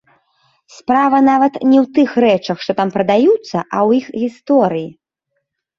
Справа, нават, не ў тых рэчах, што там прадаюцца, а ў іх гісторыі.